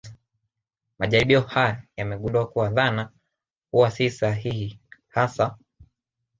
Majaribio haya yamegundua kuwa dhana huwa si sahihi hasa